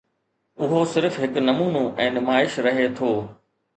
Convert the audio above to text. اهو صرف هڪ نمونو ۽ نمائش رهي ٿو.